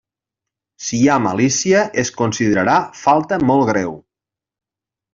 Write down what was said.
Si hi ha malícia, es considerarà falta molt greu.